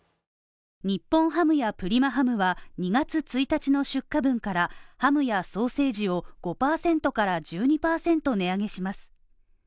日本ハムやプリマハムは２月１日の出荷分からハムやソーセージを５％から１２％値上げします。